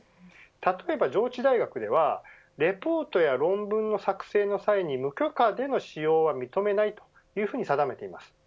例えば、上智大学ではレポートや論文の作成の際に無許可での使用は認めないというふうに定めています。